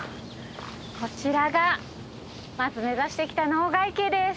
こちらがまず目指してきた濃ヶ池です。